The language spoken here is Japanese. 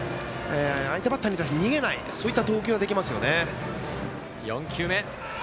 相手バッターに対して逃げない、そういった投球ができますよね。